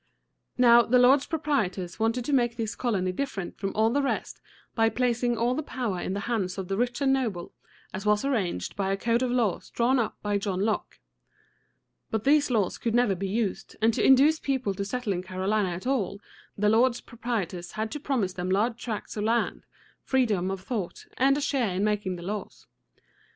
Now, the lords proprietors wanted to make this colony different from all the rest by placing all the power in the hands of the rich and noble, as was arranged by a code of laws drawn up by John Locke. But these laws could never be used, and to induce people to settle in Carolina at all, the lords proprietors had to promise them large tracts of land, freedom of thought, and a share in making the laws.